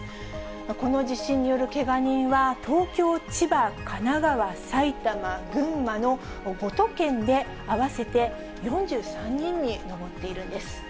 この地震によるけが人は、東京、千葉、神奈川、埼玉、群馬の５都県で合わせて４３人に上っているんです。